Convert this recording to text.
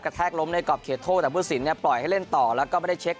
แทกล้มในกรอบเขตโทษแต่ผู้สินเนี่ยปล่อยให้เล่นต่อแล้วก็ไม่ได้เช็ค